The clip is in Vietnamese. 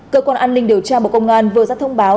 cơ quan an ninh điều tra bộ công an vừa ra thông báo